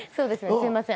すいません。